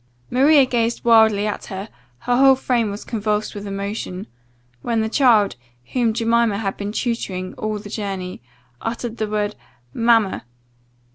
"Maria gazed wildly at her, her whole frame was convulsed with emotion; when the child, whom Jemima had been tutoring all the journey, uttered the word 'Mamma!